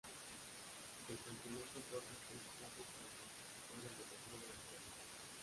El campeonato otorga tres plazas para participar en el Torneo del Interior.